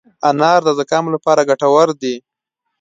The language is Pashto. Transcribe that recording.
انار د زکام لپاره ګټور دی.